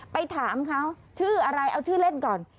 ไปถามเขาชื่ออะไรเอาชื่อเล่นก่อน